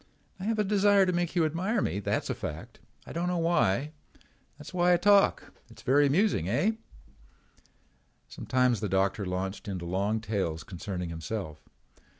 I have a desire to make you admire me, that's a fact. I don't know why. That's why I talk. It's very amusing, eh?" Sometimes the doctor launched into long tales concerning himself.